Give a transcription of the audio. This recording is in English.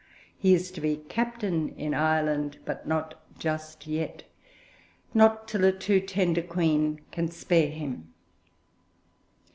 He is to be captain in Ireland, but not just yet, not till a too tender Queen can spare him.